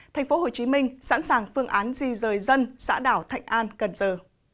thành phố hồ chí minh sẵn sàng phương án di rời dân xã đảo thạnh an cần giờ